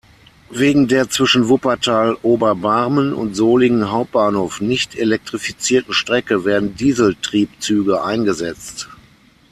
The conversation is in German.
Wegen der zwischen Wuppertal-Oberbarmen und Solingen Hauptbahnhof nicht elektrifizierten Strecke werden Dieseltriebzüge eingesetzt.